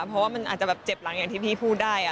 เพราะว่ามันอาจจะแบบเจ็บหลังอย่างที่พี่พูดได้